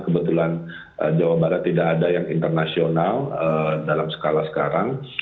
kebetulan jawa barat tidak ada yang internasional dalam skala sekarang